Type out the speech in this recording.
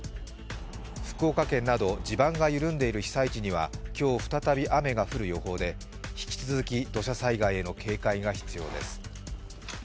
福岡県など地盤が緩んでいる被災地には今日再び雨が降る予報で引き続き土砂災害への警戒が必要です。